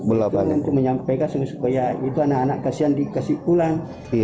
untuk menyampaikan sebuah sekolah ya itu anak anak kasihan dikasih pulang